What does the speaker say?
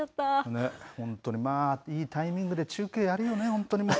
本当にまあ、いいタイミングで中継やるよね、本当にね。